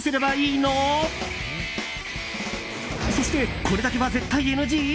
そして、これだけは絶対ＮＧ？